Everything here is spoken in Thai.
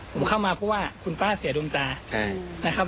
ผมเข้ามาเพราะว่าคุณป้าเสียดวงตานะครับ